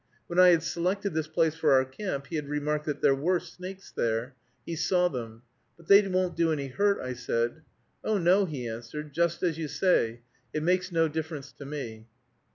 When I had selected this place for our camp, he had remarked that there were snakes there, he saw them. "But they won't do any hurt," I said. "Oh, no," he answered, "just as you say; it makes no difference to me."